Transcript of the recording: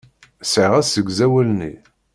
Sɛiɣ asegzawal-nni.